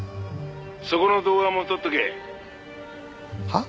「そこの動画も撮っとけ」は？